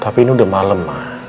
tapi ini udah malem ma